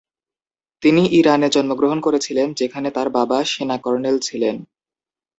তিনি ইরানে জন্মগ্রহণ করেছিলেন যেখানে তাঁর বাবা সেনা কর্নেল ছিলেন।